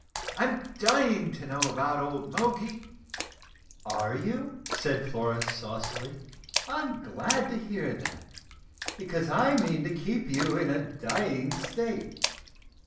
I'm dying to know about old Moggy." "Are you?" said Flora saucily. "I'm glad to hear that, because I mean to keep you in a dying state.